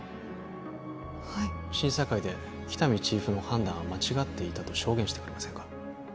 はい審査会で喜多見チーフの判断は間違っていたと証言してくれませんか？